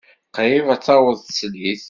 Qrib ad d-taweḍ teslit?